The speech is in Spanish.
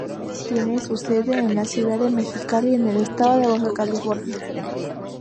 Tiene su sede en la ciudad de Mexicali en el estado de Baja California.